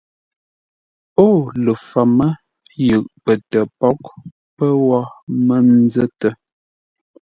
Ó ləfəmə́ yʉʼ pətə́ póghʼ pə́ wó mə nzə́tə́.